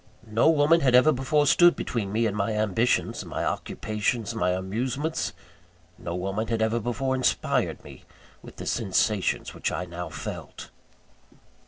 No woman had ever before stood between me and my ambitions, my occupations, my amusements. No woman had ever before inspired me with the sensations which I now felt.